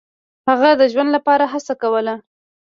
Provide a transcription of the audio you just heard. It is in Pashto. هغه د ژوند لپاره هڅه کوله.